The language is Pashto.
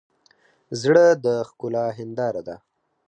زړه د ښکلا هنداره ده.